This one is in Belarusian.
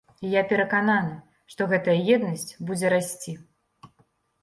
І я перакананы, што гэтая еднасць будзе расці.